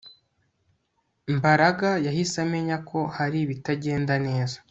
Mbaraga yahise amenya ko hari ibitagenda neza